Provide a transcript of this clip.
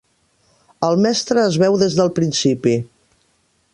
El mestre es veu des del principi.